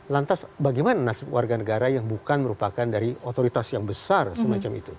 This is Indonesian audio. lantas bagaimana nasib warga negara yang bukan merupakan dari otoritas yang besar semacam itu